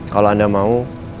kalau anda mau